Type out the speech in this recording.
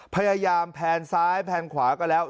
พยายามแพนซ้ายแพนขวาก็แล้ว